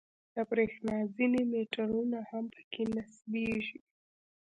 د برېښنا ځینې میټرونه هم په کې نصبېږي.